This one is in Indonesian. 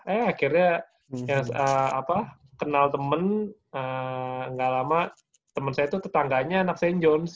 eh akhirnya kenal temen gak lama temen saya itu tetangganya anak st john s